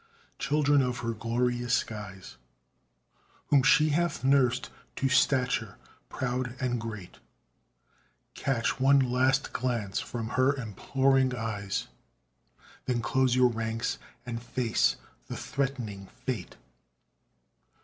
children of her glorious skies, Whom she hath nursed to stature proud and great; Catch one last glance from her imploring eyes, Then close your ranks and face the threatening fate.